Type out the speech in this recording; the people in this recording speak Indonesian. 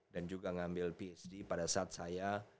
dan juga ngambil phd pada saat saya